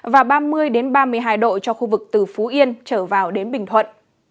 và ba mươi ba mươi hai độ cho khu vực từ phú yên trở vào đến bình thuận